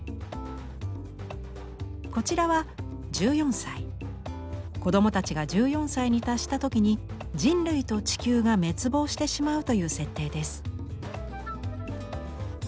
こちらは子供たちが１４歳に達した時に人類と地球が滅亡してしまうという設定です。